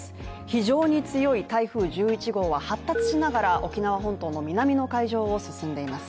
非常に強い台風１１号は発達しながら沖縄本島の南の海上を進んでいます。